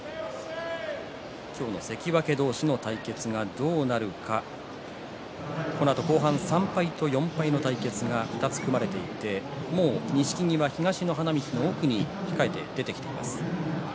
今日の関脇同士の対決がどうなるかこのあと後半、３敗と４敗の対決が２つ組まれていて錦木は、もう東の花道の奥に出てきています。